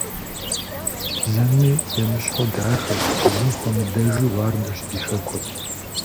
Зыми емыщхьу дахэщ, зым хуэмыдэжу уардэщ ди хэкур.